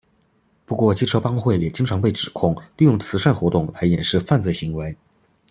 不过机车帮会也经常被指控利用慈善活动来掩饰犯罪行为。